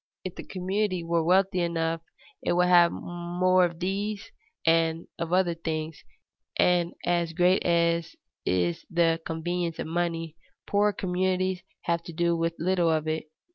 If the community were wealthy enough it would have more of these and of other things, and great as is the convenience of money, poorer communities have to do with little of it.